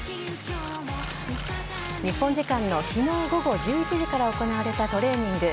日本時間の昨日午後１１時から行われたトレーニング。